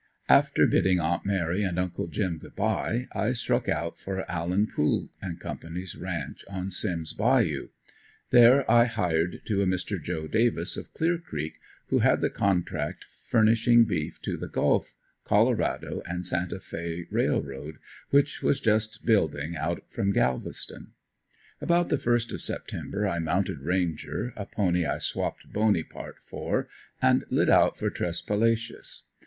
After bidding aunt Mary and uncle "Jim" good bye I struck out for Allen, Pool & Co.'s ranch on Simms' bayou. There I hired to a Mr. Joe Davis of Clear creek, who had the contract furnishing beef to the Gulf, Colorado and Santa Fe R. R. which was just building out from Galveston. About the first of September I mounted Ranger, a pony I swapped Boney part for and lit out for Tresspalacious.